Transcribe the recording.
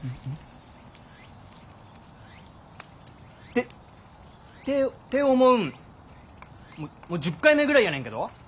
ってって思うんもう１０回目ぐらいやねんけど。